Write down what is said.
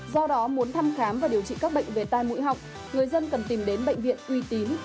do đó muốn thăm khám và điều trị các bệnh về tai mũi họng người dân cần tìm đến bệnh viện uy tín